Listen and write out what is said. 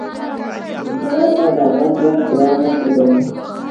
مړه ته د غم وخت دعا نه هېروې